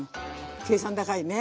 計算高いね。